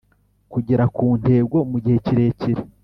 kugera ku ntego mu gihe kirekire